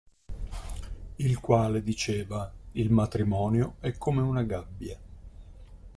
Il quale diceva: Il matrimonio è come una gabbia.